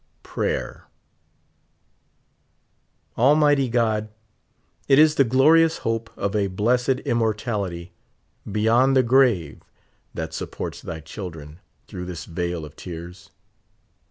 Prayer. Almighty God, it is the glorious hope of a blessed im mortality beyond the grave that supports thy children through this vale of tears.